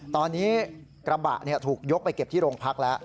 ตอนนี้กระบะถูกยกไปเก็บที่โรงพักแล้ว